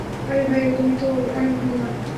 আরে ভাইয়া, তুমিতো অনেক ভাগ্যবান।